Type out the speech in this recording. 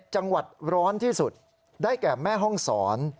จังหวัดร้อนที่สุดได้แก่แม่ห้องศร